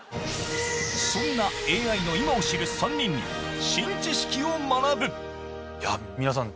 そんなＡＩの今を知る３人に新知識を学ぶ皆さん